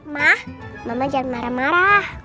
mah mama jangan marah marah